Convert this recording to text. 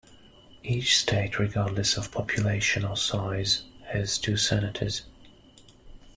Each state, regardless of population or size, has two senators.